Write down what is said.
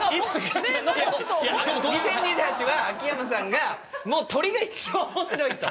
２０２８は秋山さんがもう鳥が一番面白いと。